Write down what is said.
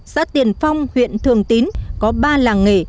xã tiền phong huyện thường tín có ba làng nghề